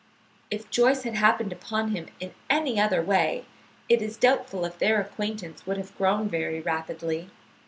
If Joyce had happened upon him in any other way, it is doubtful if their acquaintance would have grown very rapidly.